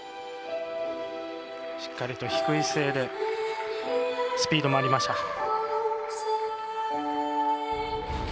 しっかりと低い姿勢でスピードもありました。